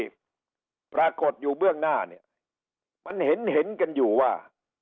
แต่สิ่งที่ปรากฎอยู่เบื้องหน้ามันเห็นเกินจะอยู่ว่า